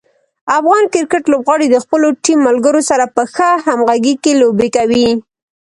افغان کرکټ لوبغاړي د خپلو ټیم ملګرو سره په ښه همغږي کې لوبې کوي.